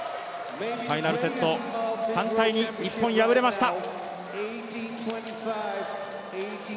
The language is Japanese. ファイナルセット、３−２、日本敗れました。